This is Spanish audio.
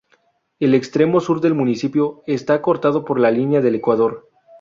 El extremo sur del municipio está cortado por la línea del Ecuador.